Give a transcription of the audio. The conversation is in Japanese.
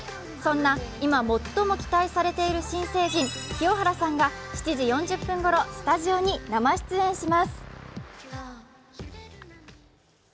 そんな、今最も期待されている新成人、清原さんが、７時４０分ごろ、スタジオに生出演します。